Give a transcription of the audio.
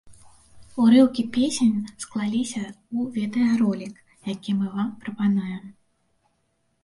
Урыўкі песень склаліся ў відэаролік, які мы вам прапануем.